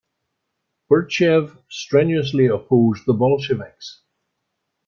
Burtsev strenuously opposed the Bolsheviks.